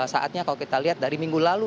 saatnya kalau kita lihat dari minggu lalu